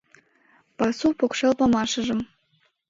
Пасу покшел памашыжым